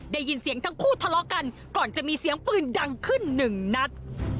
ได้ยินเสียงทั้งคู่ทะเลาะกันก่อนจะมีเสียงปืนดังขึ้นหนึ่งนัด